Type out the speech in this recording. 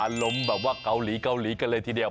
อารมณ์แบบว่าเกาหลีเกาหลีกันเลยทีเดียว